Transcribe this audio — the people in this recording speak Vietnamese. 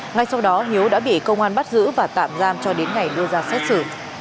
ngay sau đó hiếu đã bị công an bắt giữ và tạm giam cho đến ngày đưa ra xét xử